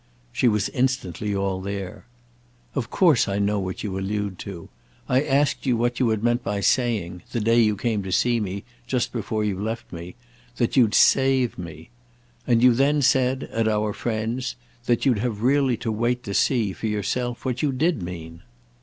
She was instantly all there. "Of course I know what you allude to. I asked you what you had meant by saying, the day you came to see me, just before you left me, that you'd save me. And you then said—at our friend's—that you'd have really to wait to see, for yourself, what you did mean."